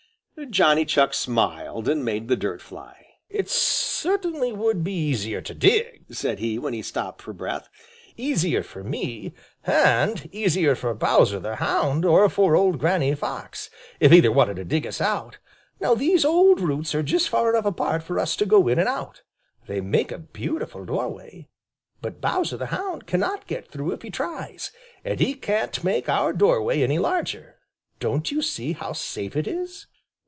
Johnny Chuck smiled and made the dirt fly. "It certainly would be easier to dig," said he, when he stopped for breath, "easier for me and easier for Bowser the Hound or for old Granny Fox, if either wanted to dig us out. Now, these old roots are just far enough apart for us to go in and out. They make a beautiful doorway. But Bowser the Hound cannot get through if he tries, and he can't make our doorway any larger. Don't you see how safe it is?"